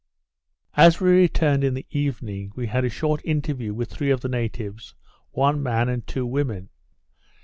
As we returned in the evening, we had a short interview with three of the natives, one man and two women.